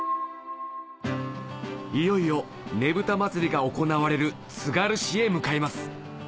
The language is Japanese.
いよいよねぶた祭りが行われるつがる市へ向かいます